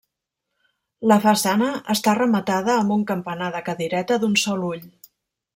La façana està rematada amb un campanar de cadireta d'un sol ull.